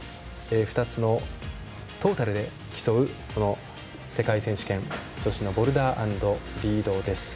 ２つのトータルで競う世界選手権女子のボルダー＆リードです。